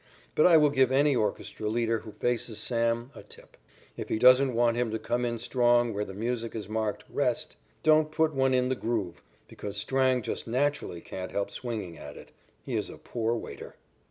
But I will give any orchestra leader who faces Sam a tip. If he doesn't want him to come in strong where the music is marked "rest," don't put one in the "groove," because Strang just naturally can't help swinging at it. He is a poor waiter.